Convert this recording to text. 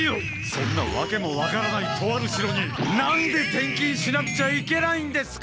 そんなわけも分からないとある城に何で転勤しなくちゃいけないんですか！？